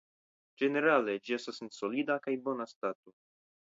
Ĝenerale ĝi estas en solida kaj bona stato.